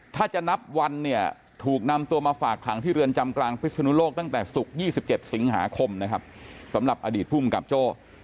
ถ้าจะนับวันเนี่ยถูกนำตัวมาฝากขังที่เรือนจำกลางพิศนุโลกตั้งแต่ศุกร์๒๗สิงหาคมนะครับสำหรับอดีตภูมิกับโจ้